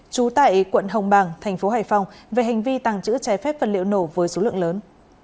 trú tại quận hồng bàng thành phố hải phòng về hành vi tàng trữ trái phép vật liệu nổ với số lượng lớn